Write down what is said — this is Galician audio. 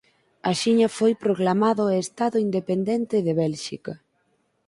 Axiña foi proclamado o Estado independente de Bélxica.